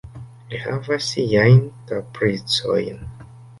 Li havas siajn kapricojn.